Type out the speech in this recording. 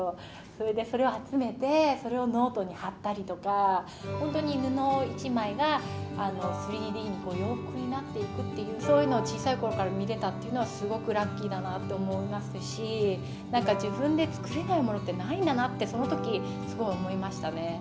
それで、それを集めて、それをノートに貼ったりとか、本当に布一枚が３Ｄに、洋服になっていくという、そういうのを小さいころから見れたっていうのは、すごくラッキーだなと思いますし、なんか、自分で作れないものってないんだなってそのとき、すごい思いましたね。